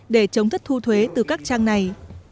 để chống thất thu thuế từ các trang này